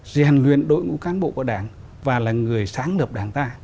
rèn luyện đội ngũ cán bộ của đảng và là người sáng lập đảng ta